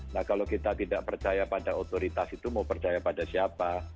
nah kalau kita tidak percaya pada otoritas itu mau percaya pada siapa